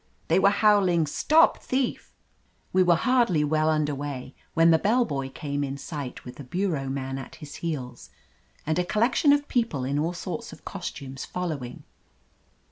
They were howling "Stop thief !" We were hardly well under way when the bell boy came in sight with the bureau man at his heels and a collection of people in all sorts of costumes fol lowing.